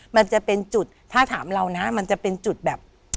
มันจะเป็นจุดถ้าถามเรานะมันจะเป็นจุดแบบ